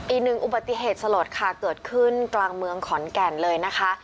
อีกหนึ่งอุบัติเหตุสลดค่ะเกิดขึ้นกลางเมืองขอนแก่นเลยนะคะ